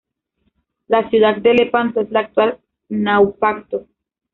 La ciudad de Lepanto es la actual Naupacto.